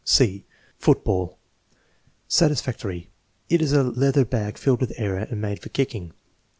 (c) Football Satisfactory. "It is a leather bag filled with air and made for kicking."